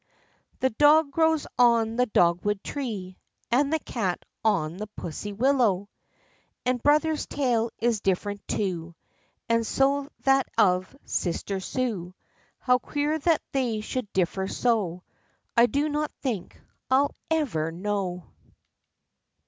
The dog grows on the dogwood tree And the cat on the pussywillow /" And brother's tale is different too, And so is that of Sister Sue. How queer that they should differ so! I do not think I 'll ever know.